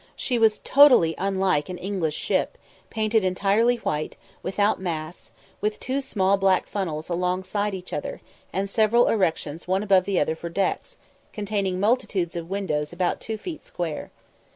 She was totally unlike an English ship, painted entirely white, without masts, with two small black funnels alongside each other; and several erections one above another for decks, containing multitudes of windows about two feet square.